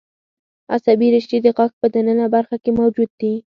عصبي رشتې د غاښ په د ننه برخه کې موجود دي.